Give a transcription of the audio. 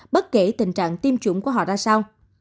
bất kể tình trạng tiêm chủng của họ ra sao